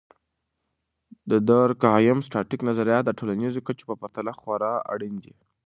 د دورکهايم.static نظریات د ټولنیزو کچو په پرتله خورا اړین دي.